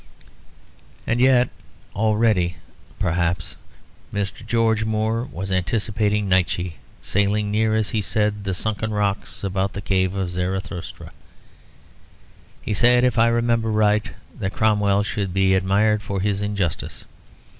And yet already, perhaps, Mr. George Moore was anticipating Nietzsche, sailing near, as he said, "the sunken rocks about the cave of Zarathustra." He said, if I remember right, that Cromwell should be admired for his injustice.